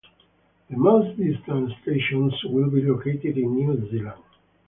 The most distant stations will be located in New Zealand.